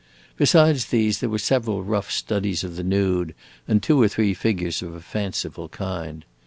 Besides these there were several rough studies of the nude, and two or three figures of a fanciful kind.